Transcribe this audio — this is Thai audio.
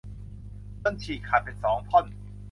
จนฉีกขาดเป็นสองท่อน